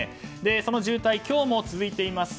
その渋滞、今日も続いています。